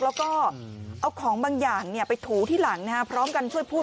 แล้วก็เอาของบางอย่างไปถูที่หลังพร้อมกันช่วยพูด